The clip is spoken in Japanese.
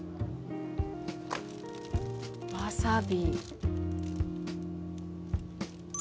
わさび。